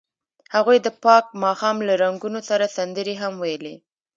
هغوی د پاک ماښام له رنګونو سره سندرې هم ویلې.